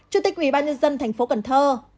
chủ tịch ủy ban nhân dân thành phố cần thơ